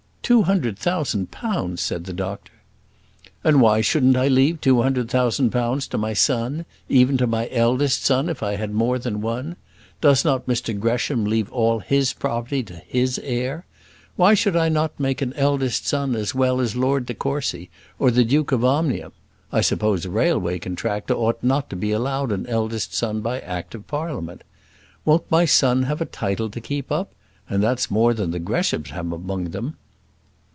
two hundred thousand pounds?" said the doctor. "And why shouldn't I leave two hundred thousand pounds to my son, even to my eldest son if I had more than one? Does not Mr Gresham leave all his property to his heir? Why should not I make an eldest son as well as Lord de Courcy or the Duke of Omnium? I suppose a railway contractor ought not to be allowed an eldest son by Act of Parliament! Won't my son have a title to keep up? And that's more than the Greshams have among them."